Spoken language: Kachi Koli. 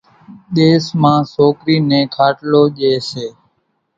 ۮيس مان سوڪرِي نين کاٽلو ڄيَ سي۔